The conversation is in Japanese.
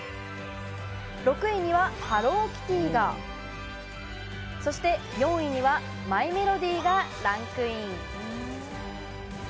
６位にはハローキティが、そして４位にはマイメロディがランクイン。